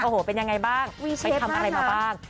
โอ้โหเป็นยังไงบ้างไปทำอะไรมาบ้าง